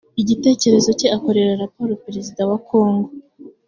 igitekerezo cye akorera raporo perezida wa kongo